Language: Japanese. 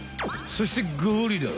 そしてゴリラ。